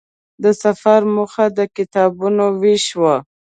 د سفر موخه د کتابونو وېش وه.